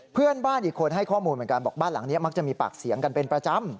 เพื่อนบ้านอีกคนให้ข้อมูลเหมือนกันบอกบ้านหลังนี้มักจะมีปากเสียงกันเป็นประจำ